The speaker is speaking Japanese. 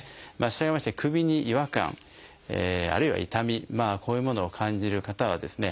したがいまして首に違和感あるいは痛みこういうものを感じる方はですね